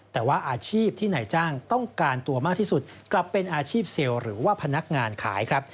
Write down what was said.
แต่ว่าอาชีพที่นายจ้างต้องการตัวมากที่สุดกลับเป็นอาชีพเซลล์หรือว่าพนักงานขายครับ